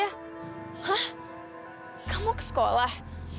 hah kamu ke sekolah